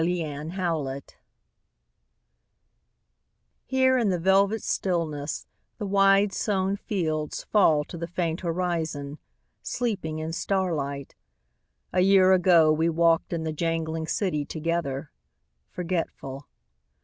THE INDIA WHARF HERE in the velvet stillness The wide sown fields fall to the faint horizon, Sleeping in starlight. ... A year ago we walked in the jangling city Together .... forgetful.